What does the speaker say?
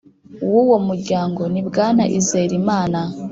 W uwo muryango ni bwana izerimana